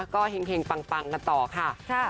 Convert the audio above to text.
ก็แห่งปังบอกต่อค่ะ